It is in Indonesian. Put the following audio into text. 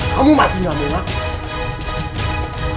kalau kamu masih gak berhati